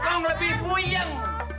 kekong lebih puyeng